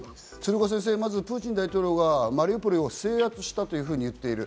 鶴岡先生、まずプーチン大統領がマリウポリを制圧したと言っている。